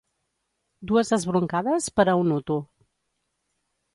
Dues esbroncades per a un hutu.